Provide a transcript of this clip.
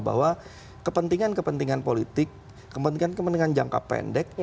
bahwa kepentingan kepentingan politik kepentingan kepentingan jangka pendek